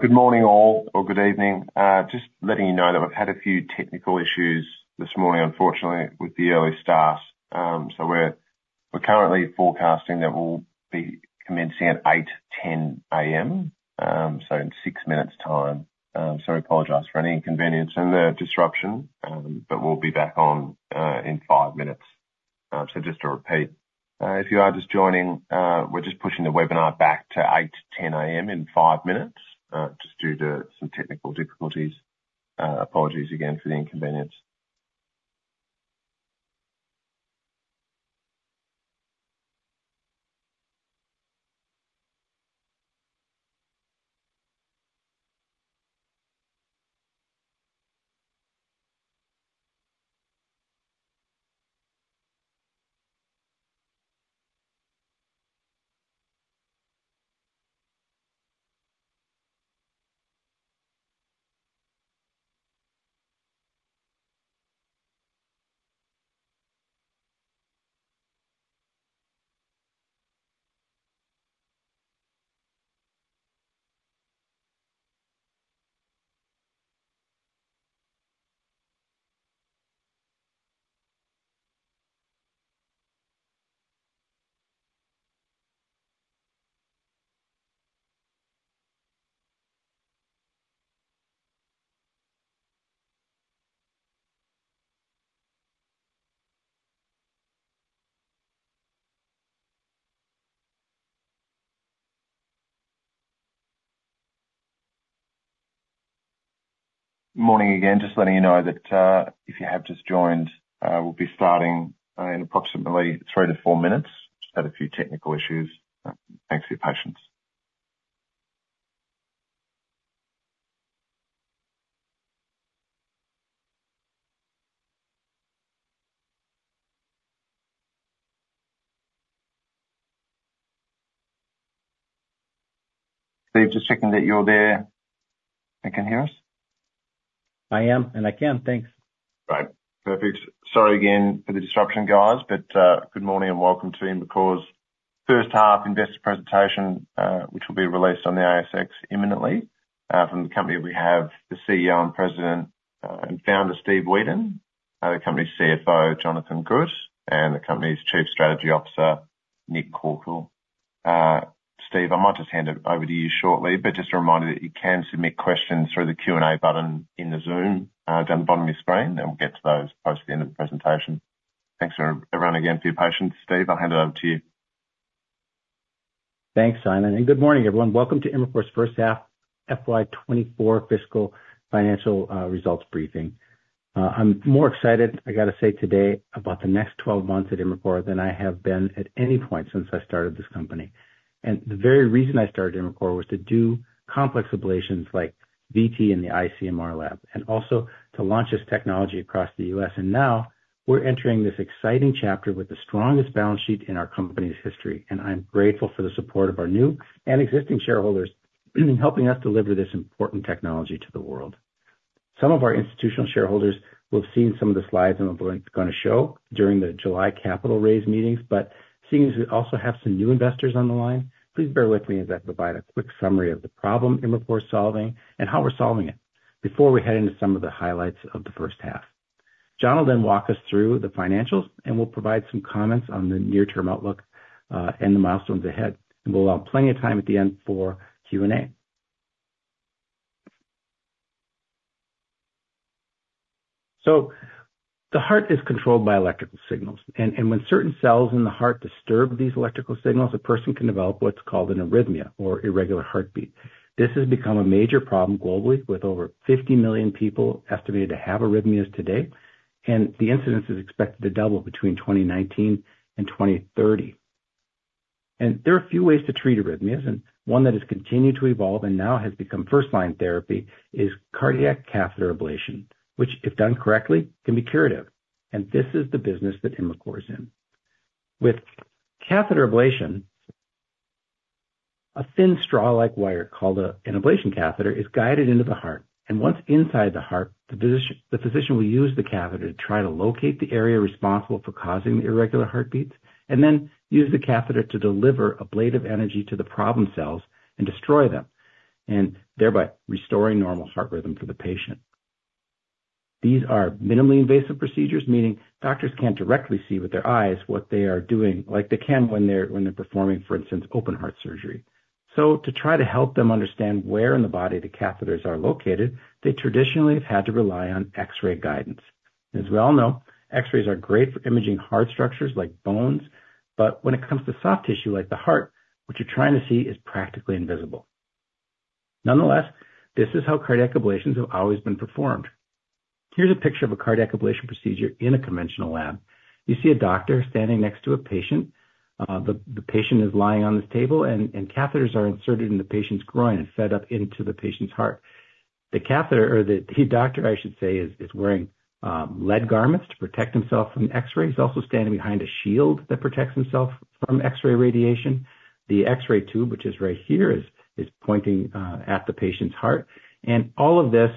Good morning, all, or good evening. Just letting you know that we've had a few technical issues this morning, unfortunately, with the early start. So we're currently forecasting that we'll be commencing at 8:10 A.M., so in six minutes time. So I apologize for any inconvenience and disruption, but we'll be back on in five minutes. So just to repeat, if you are just joining, we're just pushing the webinar back to 8:10 A.M. in five minutes, just due to some technical difficulties. Apologies again for the inconvenience. Morning again. Just letting you know that, if you have just joined, we'll be starting in approximately three to four minutes. Just had a few technical issues. Thanks for your patience. Steve, just checking that you're there and can hear us. I am, and I can. Thanks. Great. Perfect. Sorry again for the disruption, guys, but, good morning and welcome to Imricor's first half investor presentation, which will be released on the ASX imminently. From the company, we have the CEO and president, and founder, Steve Wedan; the company's CFO, Jonathon Gut; and the company's chief strategy officer, Nick Corkill. Steve, I might just hand it over to you shortly, but just a reminder that you can submit questions through the Q&A button in the Zoom, down the bottom of your screen, and we'll get to those towards the end of the presentation. Thanks, everyone, again, for your patience. Steve, I'll hand it over to you. Thanks, Simon, and good morning, everyone. Welcome to Imricor's first half FY 2024 fiscal financial results briefing. I'm more excited, I gotta say today, about the next 12 months at Imricor than I have been at any point since I started this company. And the very reason I started Imricor was to do complex ablations like VT and the iCMR lab, and also to launch this technology across the U.S. And now, we're entering this exciting chapter with the strongest balance sheet in our company's history, and I'm grateful for the support of our new and existing shareholders, helping us deliver this important technology to the world. Some of our institutional shareholders will have seen some of the slides I'm going, gonna show during the July capital raise meetings, but seeing as we also have some new investors on the line, please bear with me as I provide a quick summary of the problem Imricor's solving and how we're solving it, before we head into some of the highlights of the first half. Jon will then walk us through the financials, and we'll provide some comments on the near-term outlook, and the milestones ahead, and we'll allow plenty of time at the end for Q&A. So the heart is controlled by electrical signals, and when certain cells in the heart disturb these electrical signals, a person can develop what's called an arrhythmia or irregular heartbeat. This has become a major problem globally, with over fifty million people estimated to have arrhythmias today, and the incidence is expected to double between 2019 and 2030. And there are a few ways to treat arrhythmias, and one that has continued to evolve and now has become first-line therapy is cardiac catheter ablation, which, if done correctly, can be curative. And this is the business that Imricor is in. With catheter ablation, a thin straw-like wire, called an ablation catheter, is guided into the heart, and once inside the heart, the physician will use the catheter to try to locate the area responsible for causing the irregular heartbeats, and then use the catheter to deliver ablative energy to the problem cells and destroy them, and thereby restoring normal heart rhythm for the patient. These are minimally invasive procedures, meaning doctors can't directly see with their eyes what they are doing, like they can when they're performing, for instance, open heart surgery. So to try to help them understand where in the body the catheters are located, they traditionally have had to rely on X-ray guidance. As we all know, X-rays are great for imaging hard structures like bones, but when it comes to soft tissue like the heart, what you're trying to see is practically invisible. Nonetheless, this is how cardiac ablations have always been performed. Here's a picture of a cardiac ablation procedure in a conventional lab. You see a doctor standing next to a patient. The patient is lying on this table, and catheters are inserted in the patient's groin and fed up into the patient's heart. The catheter or the doctor, I should say, is wearing lead garments to protect himself from X-rays. He's also standing behind a shield that protects himself from X-ray radiation. The X-ray tube, which is right here, is pointing at the patient's heart, and all of this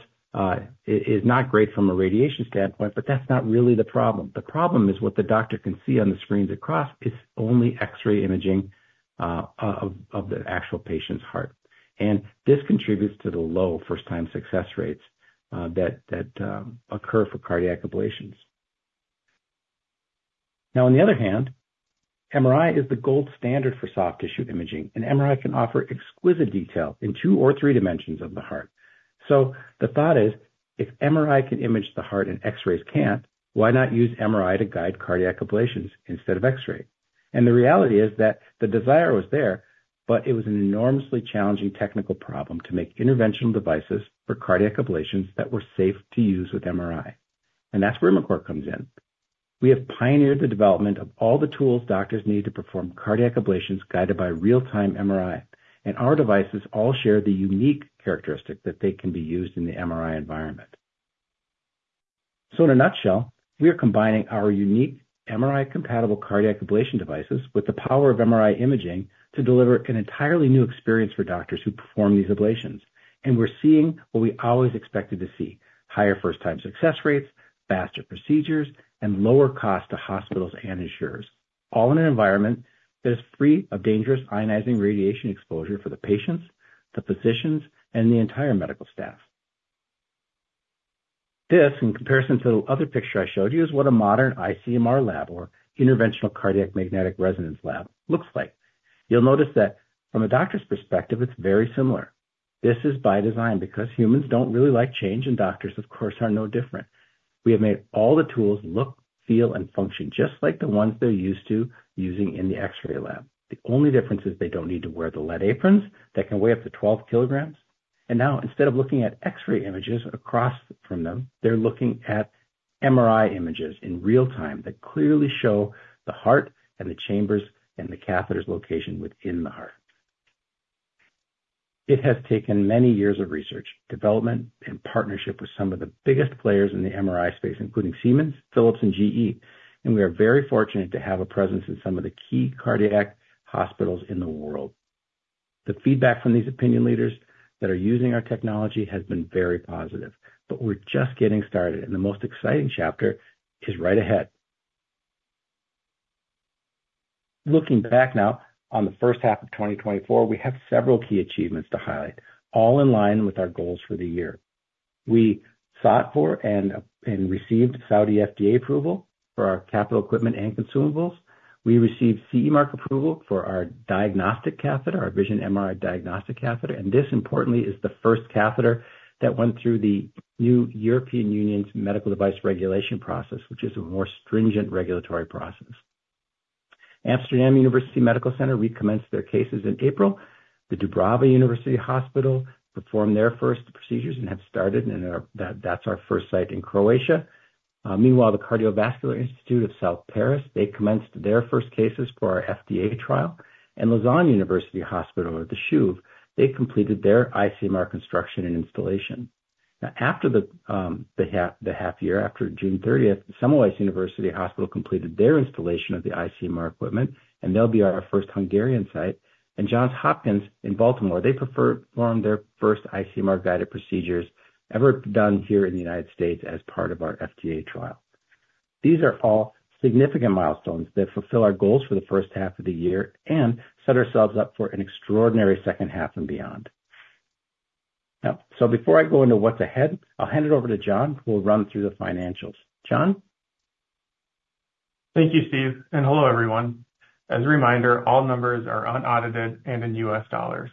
is not great from a radiation standpoint, but that's not really the problem. The problem is what the doctor can see on the screens across is only X-ray imaging of the actual patient's heart, and this contributes to the low first-time success rates that occur for cardiac ablations. Now, on the other hand, MRI is the gold standard for soft tissue imaging, and MRI can offer exquisite detail in two or three dimensions of the heart. So the thought is, if MRI can image the heart and X-rays can't, why not use MRI to guide cardiac ablations instead of X-ray? And the reality is that the desire was there, but it was an enormously challenging technical problem to make interventional devices for cardiac ablations that were safe to use with MRI. And that's where Imricor comes in. We have pioneered the development of all the tools doctors need to perform cardiac ablations guided by real-time MRI, and our devices all share the unique characteristic that they can be used in the MRI environment. So in a nutshell, we are combining our unique MRI-compatible cardiac ablation devices with the power of MRI imaging to deliver an entirely new experience for doctors who perform these ablations. We're seeing what we always expected to see: higher first-time success rates, faster procedures, and lower cost to hospitals and insurers, all in an environment that is free of dangerous ionizing radiation exposure for the patients, the physicians, and the entire medical staff. This, in comparison to the other picture I showed you, is what a modern iCMR lab or interventional cardiac magnetic resonance lab looks like. You'll notice that from a doctor's perspective, it's very similar. This is by design, because humans don't really like change, and doctors, of course, are no different. We have made all the tools look, feel, and function just like the ones they're used to using in the X-ray lab. The only difference is they don't need to wear the lead aprons that can weigh up to 12 kilograms, and now, instead of looking at X-ray images across from them, they're looking at MRI images in real time that clearly show the heart and the chambers and the catheter's location within the heart. It has taken many years of research, development, and partnership with some of the biggest players in the MRI space, including Siemens, Philips, and GE, and we are very fortunate to have a presence in some of the key cardiac hospitals in the world. The feedback from these opinion leaders that are using our technology has been very positive, but we're just getting started, and the most exciting chapter is right ahead. Looking back now on the first half of 2024, we have several key achievements to highlight, all in line with our goals for the year. We sought for and received Saudi FDA approval for our capital equipment and consumables. We received CE Mark approval for our diagnostic catheter, our Vision-MR Diagnostic Catheter, and this, importantly, is the first catheter that went through the new European Union's medical device regulation process, which is a more stringent regulatory process. Amsterdam University Medical Centers recommenced their cases in April. The Dubrava University Hospital performed their first procedures and have started. That's our first site in Croatia. Meanwhile, the Cardiovascular Institute of South Paris, they commenced their first cases for our FDA trial. Lausanne University Hospital, or the CHUV, they completed their iCMR construction and installation. Now, after the half year, after June thirtieth, Semmelweis University completed their installation of the iCMR equipment, and they'll be our first Hungarian site. Johns Hopkins in Baltimore performed their first iCMR guided procedures ever done here in the United States as part of our FDA trial. These are all significant milestones that fulfill our goals for the first half of the year and set ourselves up for an extraordinary second half and beyond. Now, before I go into what's ahead, I'll hand it over to Jon, who will run through the financials. Jon? Thank you, Steve, and hello, everyone. As a reminder, all numbers are unaudited and in US dollars.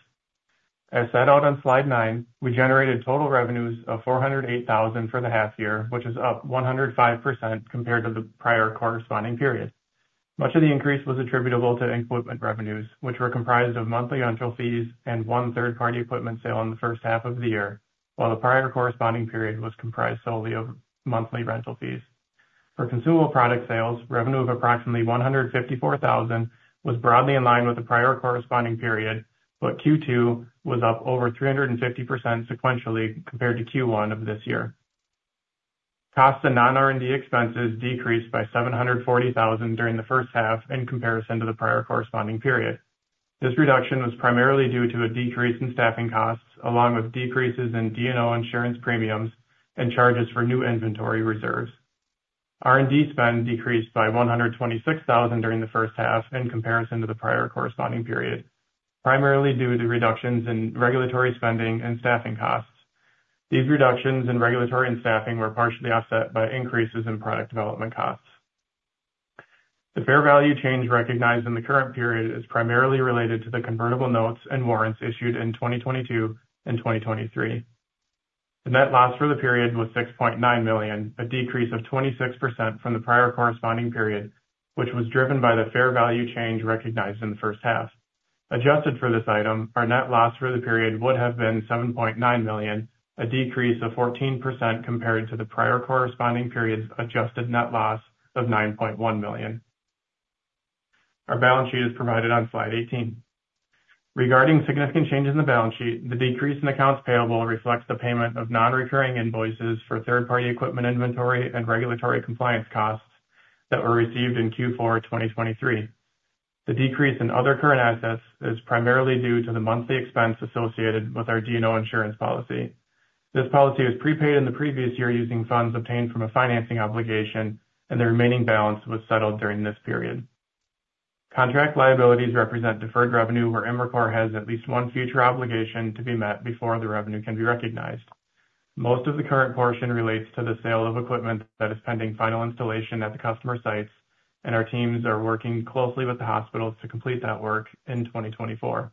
As set out on slide nine, we generated total revenues of $408,000 for the half year, which is up 105% compared to the prior corresponding period. Much of the increase was attributable to equipment revenues, which were comprised of monthly rental fees and one third-party equipment sale in the first half of the year, while the prior corresponding period was comprised solely of monthly rental fees. For consumable product sales, revenue of approximately $154,000 was broadly in line with the prior corresponding period, but Q2 was up over 350% sequentially compared to Q1 of this year. Costs and non-R&D expenses decreased by $740,000 during the first half in comparison to the prior corresponding period. This reduction was primarily due to a decrease in staffing costs, along with decreases in D&O insurance premiums and charges for new inventory reserves. R&D spend decreased by $126,000 during the first half in comparison to the prior corresponding period, primarily due to reductions in regulatory spending and staffing costs. These reductions in regulatory and staffing were partially offset by increases in product development costs. The fair value change recognized in the current period is primarily related to the convertible notes and warrants issued in 2022 and 2023. The net loss for the period was $6.9 million, a decrease of 26% from the prior corresponding period, which was driven by the fair value change recognized in the first half. Adjusted for this item, our net loss for the period would have been $7.9 million, a decrease of 14% compared to the prior corresponding period's adjusted net loss of $9.1 million. Our balance sheet is provided on slide 18. Regarding significant changes in the balance sheet, the decrease in accounts payable reflects the payment of non-recurring invoices for third-party equipment inventory and regulatory compliance costs that were received in Q4 2023. The decrease in other current assets is primarily due to the monthly expense associated with our D&O insurance policy. This policy was prepaid in the previous year using funds obtained from a financing obligation, and the remaining balance was settled during this period. Contract liabilities represent deferred revenue, where Imricor has at least one future obligation to be met before the revenue can be recognized. Most of the current portion relates to the sale of equipment that is pending final installation at the customer sites, and our teams are working closely with the hospitals to complete that work in 2024.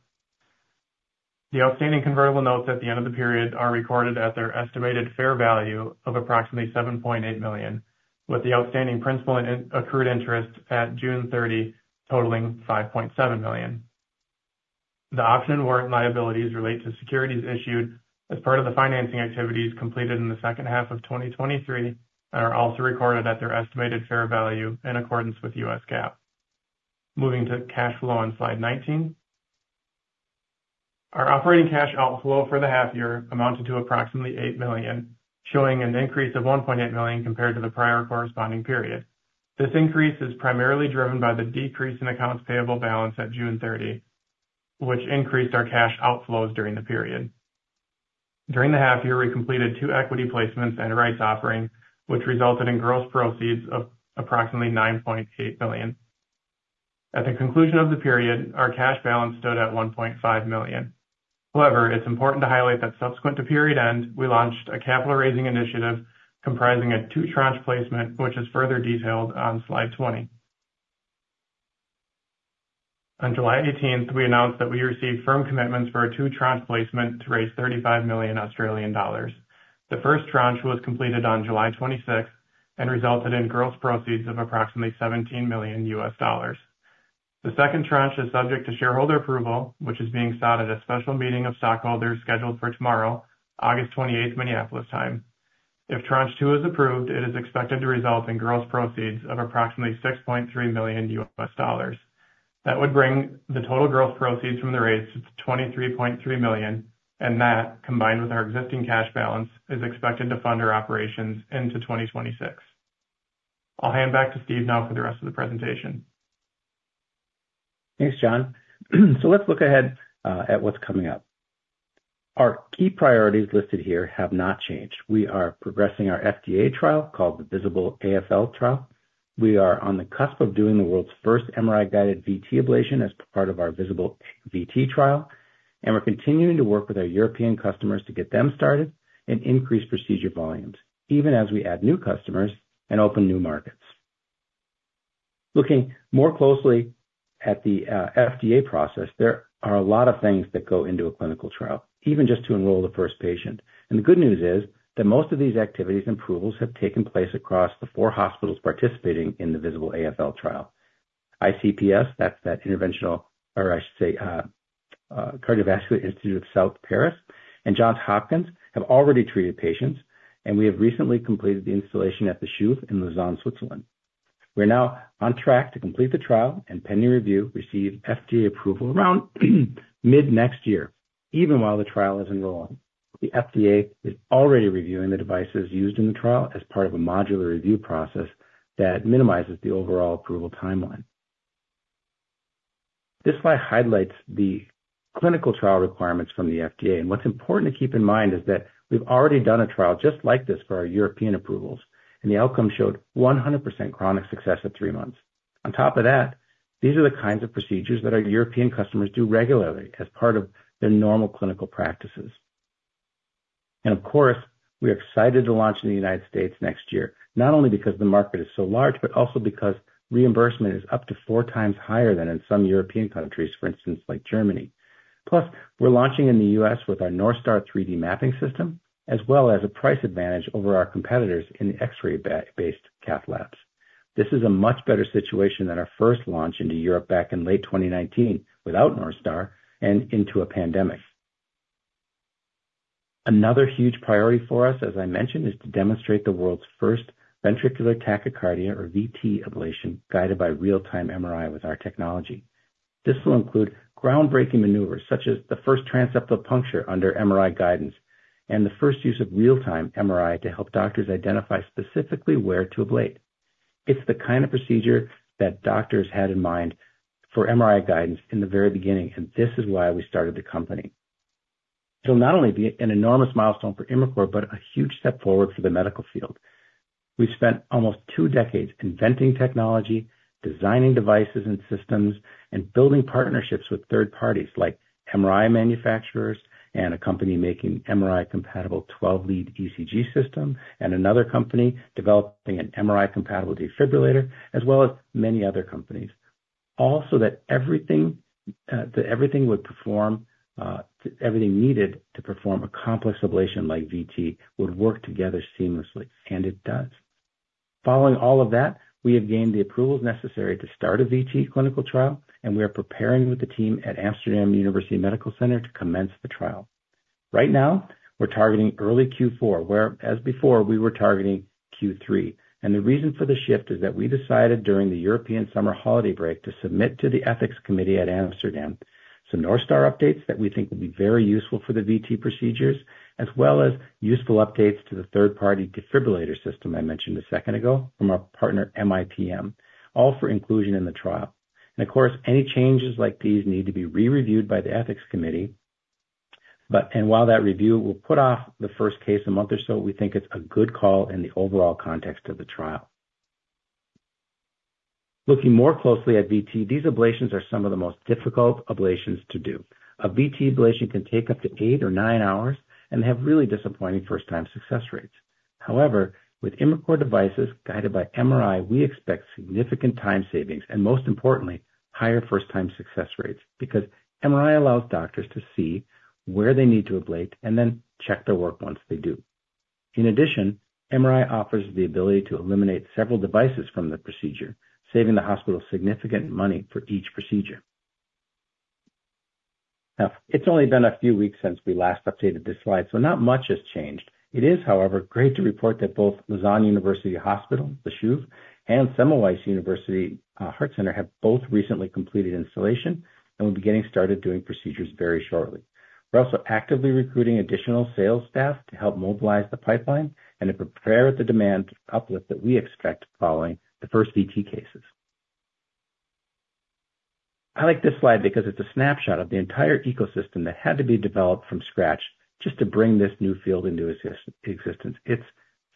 The outstanding convertible notes at the end of the period are recorded at their estimated fair value of approximately $7.8 million, with the outstanding principal and accrued interest at June 30 totaling $5.7 million. The option warrant liabilities relate to securities issued as part of the financing activities completed in the second half of 2023, and are also recorded at their estimated fair value in accordance with US GAAP. Moving to cash flow on slide 19. Our operating cash outflow for the half year amounted to approximately $8 million, showing an increase of $1.8 million compared to the prior corresponding period. This increase is primarily driven by the decrease in accounts payable balance at June thirty, which increased our cash outflows during the period. During the half year, we completed two equity placements and a rights offering, which resulted in gross proceeds of approximately $9.8 million. At the conclusion of the period, our cash balance stood at $1.5 million. However, it's important to highlight that subsequent to period end, we launched a capital raising initiative comprising a two tranche placement, which is further detailed on slide 20. On July eighteenth, we announced that we received firm commitments for a two tranche placement to raise 35 million Australian dollars. The first tranche was completed on July 26 and resulted in gross proceeds of approximately $17 million. The second tranche is subject to shareholder approval, which is being sought at a special meeting of stockholders scheduled for tomorrow, August 28, Minneapolis time. If tranche two is approved, it is expected to result in gross proceeds of approximately $6.3 million. That would bring the total gross proceeds from the raise to $23.3 million, and that, combined with our existing cash balance, is expected to fund our operations into 2026. I'll hand back to Steve now for the rest of the presentation. Thanks, John. So let's look ahead at what's coming up. Our key priorities listed here have not changed. We are progressing our FDA trial, called the VISABL-AFL Trial. We are on the cusp of doing the world's first MRI-guided VT ablation as part of our VISABL-VT trial, and we're continuing to work with our European customers to get them started and increase procedure volumes, even as we add new customers and open new markets. Looking more closely at the FDA process, there are a lot of things that go into a clinical trial, even just to enroll the first patient. And the good news is that most of these activities and approvals have taken place across the four hospitals participating in the VISABL-AFL trial. ICPS, that's that Interventional... Or I should say, Cardiovascular Institute of South Paris, and Johns Hopkins have already treated patients, and we have recently completed the installation at the CHUV in Lausanne, Switzerland. We're now on track to complete the trial, and pending review, receive FDA approval around mid-next year, even while the trial is enrolling. The FDA is already reviewing the devices used in the trial as part of a modular review process that minimizes the overall approval timeline. This slide highlights the clinical trial requirements from the FDA, and what's important to keep in mind is that we've already done a trial just like this for our European approvals, and the outcome showed 100% chronic success at three months. On top of that, these are the kinds of procedures that our European customers do regularly as part of their normal clinical practices. Of course, we are excited to launch in the United States next year, not only because the market is so large, but also because reimbursement is up to four times higher than in some European countries, for instance, like Germany. Plus, we're launching in the U.S. with our NorthStar 3D Mapping System, as well as a price advantage over our competitors in X-ray based cath labs. This is a much better situation than our first launch into Europe back in late 2019, without Northstar and into a pandemic. Another huge priority for us, as I mentioned, is to demonstrate the world's first ventricular tachycardia, or VT, ablation, guided by real-time MRI with our technology. This will include groundbreaking maneuvers, such as the first transseptal puncture under MRI guidance, and the first use of real-time MRI to help doctors identify specifically where to ablate. It's the kind of procedure that doctors had in mind for MRI guidance in the very beginning, and this is why we started the company. It'll not only be an enormous milestone for Imricor, but a huge step forward for the medical field. We've spent almost two decades inventing technology, designing devices and systems, and building partnerships with third parties, like MRI manufacturers and a company making MRI-compatible twelve-lead ECG system, and another company developing an MRI-compatible defibrillator, as well as many other companies, all so that everything, that everything would perform, everything needed to perform a complex ablation like VT would work together seamlessly, and it does. Following all of that, we have gained the approvals necessary to start a VT clinical trial, and we are preparing with the team at Amsterdam University Medical Center to commence the trial. Right now, we're targeting early Q4, whereas before, we were targeting Q3, and the reason for the shift is that we decided during the European summer holiday break to submit to the ethics committee at Amsterdam some NorthStar updates that we think will be very useful for the VT procedures, as well as useful updates to the third-party defibrillator system I mentioned a second ago from our partner, MIPM, all for inclusion in the trial, and of course, any changes like these need to be re-reviewed by the ethics committee, and while that review will put off the first case a month or so, we think it's a good call in the overall context of the trial. Looking more closely at VT, these ablations are some of the most difficult ablations to do. A VT ablation can take up to eight or nine hours and have really disappointing first-time success rates. However, with Imricor devices guided by MRI, we expect significant time savings and most importantly, higher first-time success rates, because MRI allows doctors to see where they need to ablate and then check their work once they do. In addition, MRI offers the ability to eliminate several devices from the procedure, saving the hospital significant money for each procedure. Now, it's only been a few weeks since we last updated this slide, so not much has changed. It is, however, great to report that both Lausanne University Hospital, CHUV, and Semmelweis University, Heart Center, have both recently completed installation and will be getting started doing procedures very shortly. We're also actively recruiting additional sales staff to help mobilize the pipeline and to prepare the demand uplift that we expect following the first VT cases. I like this slide because it's a snapshot of the entire ecosystem that had to be developed from scratch just to bring this new field into existence. It's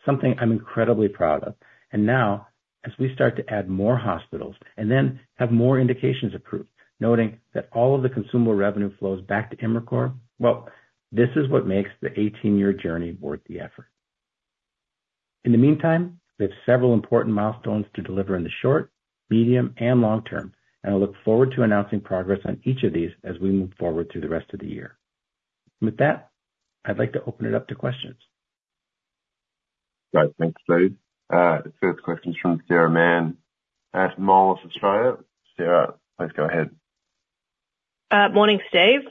something I'm incredibly proud of, and now, as we start to add more hospitals and then have more indications approved, noting that all of the consumable revenue flows back to Imricor, well, this is what makes the eighteen-year journey worth the effort. In the meantime, we have several important milestones to deliver in the short, medium, and long term, and I look forward to announcing progress on each of these as we move forward through the rest of the year. With that, I'd like to open it up to questions. Great. Thanks, Steve. The first question is from Sarah Mann at Moelis Australia. Sarah, please go ahead. Morning, Steve.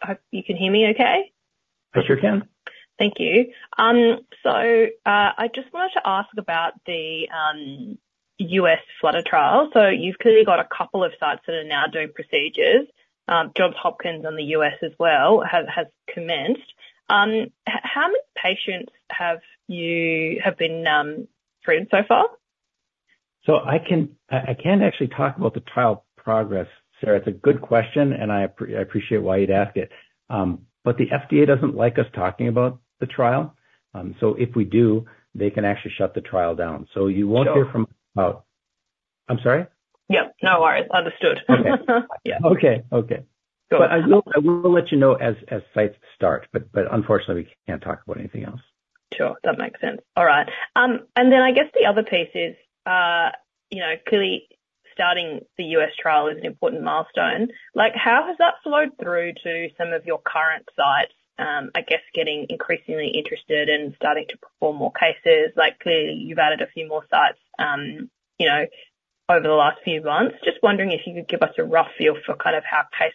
Hope you can hear me okay? I sure can. Thank you. So I just wanted to ask about the U.S. flutter trial. So you've clearly got a couple of sites that are now doing procedures. Johns Hopkins in the U.S. as well has commenced. How many patients have been treated so far? So I can't actually talk about the trial progress, Sarah. It's a good question, and I appreciate why you'd ask it. But the FDA doesn't like us talking about the trial, so if we do, they can actually shut the trial down. So you won't hear from- Sure. Oh, I'm sorry? Yep. No worries. Understood. Okay. Yeah. Okay. Okay. Got it. But I will let you know as sites start, but unfortunately, we can't talk about anything else. Sure. That makes sense. All right. And then I guess the other piece is, you know, clearly starting the U.S. trial is an important milestone. Like, how has that flowed through to some of your current sites, I guess getting increasingly interested in starting to perform more cases? Like, clearly, you've added a few more sites, you know, over the last few months. Just wondering if you could give us a rough feel for kind of how pace,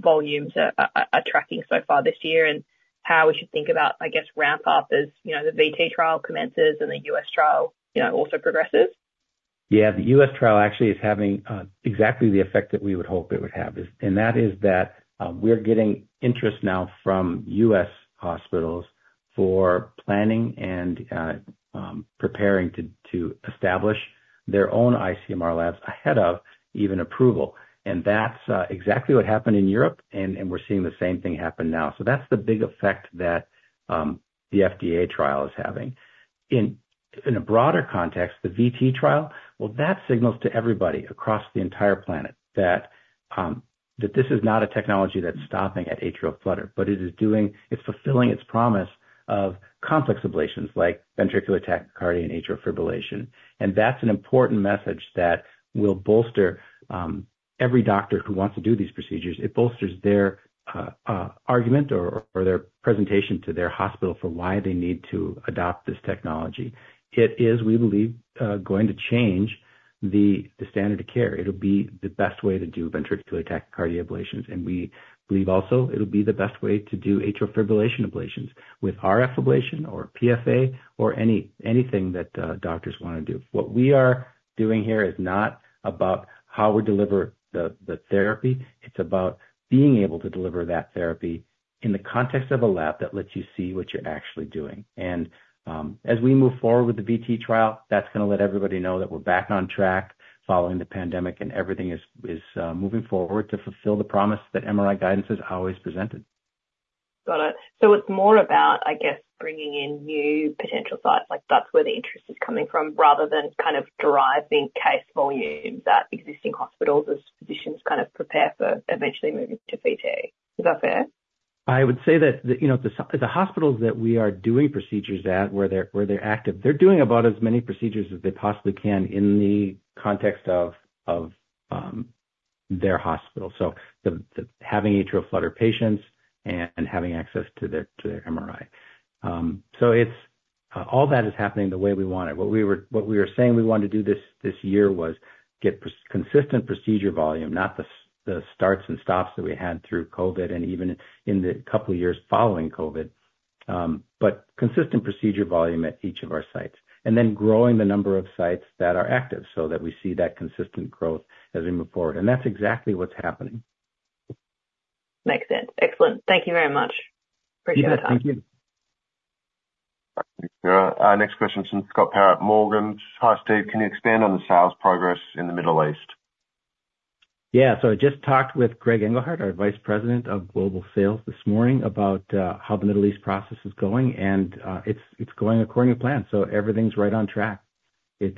volumes are tracking so far this year, and how we should think about, I guess, ramp up as, you know, the VT trial commences and the U.S. trial, you know, also progresses. Yeah, the U.S. trial actually is having exactly the effect that we would hope it would have. And that is that we're getting interest now from U.S. hospitals for planning and preparing to establish their own iCMR labs ahead of even approval. And that's exactly what happened in Europe, and we're seeing the same thing happen now. So that's the big effect that the FDA trial is having. In a broader context, the VT trial, well, that signals to everybody across the entire planet that this is not a technology that's stopping at atrial flutter, but it is doing... It's fulfilling its promise of complex ablations like ventricular tachycardia and atrial fibrillation. And that's an important message that will bolster every doctor who wants to do these procedures. It bolsters their argument or their presentation to their hospital for why they need to adopt this technology. It is, we believe, going to change the standard of care. It'll be the best way to do ventricular tachycardia ablations, and we believe also it'll be the best way to do atrial fibrillation ablations with RF ablation or PFA or anything that doctors wanna do. What we are doing here is not about how we deliver the therapy, it's about being able to deliver that therapy in the context of a lab that lets you see what you're actually doing, and as we move forward with the VT trial, that's gonna let everybody know that we're back on track following the pandemic, and everything is moving forward to fulfill the promise that MRI guidance has always presented. Got it. So it's more about, I guess, bringing in new potential sites, like that's where the interest is coming from, rather than kind of deriving case volumes at existing hospitals as physicians kind of prepare for eventually moving to VT. Is that fair? I would say that the, you know, the hospitals that we are doing procedures at, where they're active, they're doing about as many procedures as they possibly can in the context of their hospital. So, having atrial flutter patients and having access to their MRI. So, it's all that is happening the way we want it. What we were saying we wanted to do this year was get consistent procedure volume, not the starts and stops that we had through COVID and even in the couple of years following COVID, but consistent procedure volume at each of our sites, and then growing the number of sites that are active so that we see that consistent growth as we move forward. That's exactly what's happening. Makes sense. Excellent. Thank you very much. Appreciate your time. You bet. Thank you. Thank you, Sarah. Our next question is from Scott Power at Morgans. Hi, Steve. Can you expand on the sales progress in the Middle East? Yeah. So I just talked with Greg Engelhardt, our Vice President of Global Sales, this morning about how the Middle East process is going, and it's going according to plan. So everything's right on track. It's...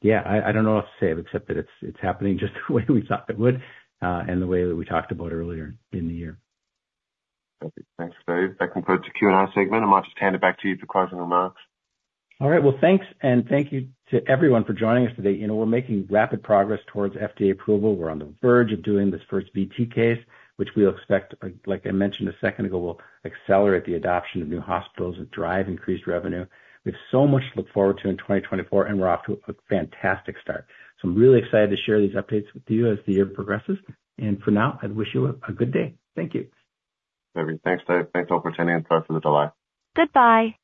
Yeah, I don't know what else to say, except that it's happening just the way we thought it would, and the way that we talked about earlier in the year. Perfect. Thanks, Steve. That concludes the Q&A segment. I might just hand it back to you for closing remarks. All right. Well, thanks, and thank you to everyone for joining us today. You know, we're making rapid progress towards FDA approval. We're on the verge of doing this first VT case, which we expect, like I mentioned a second ago, will accelerate the adoption of new hospitals and drive increased revenue. We have so much to look forward to in 2024, and we're off to a fantastic start. So I'm really excited to share these updates with you as the year progresses, and for now, I'd wish you a good day. Thank you. Thanks, Steve. Thanks all for attending and sorry for the delay. Goodbye.